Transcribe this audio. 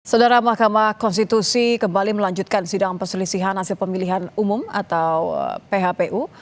saudara mahkamah konstitusi kembali melanjutkan sidang perselisihan hasil pemilihan umum atau phpu